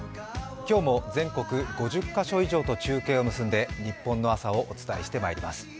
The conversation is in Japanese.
今日も、全国５０カ所以上と中継を結んでニッポンの朝をお伝えしてまいります。